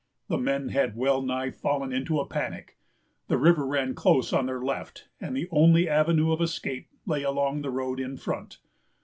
The men had well nigh fallen into a panic. The river ran close on their left, and the only avenue of escape lay along the road in front.